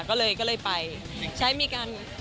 ก็เลยไปใช้มีการ